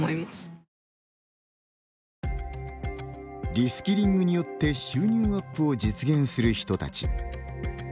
リスキリングによって収入アップを実現する人たち。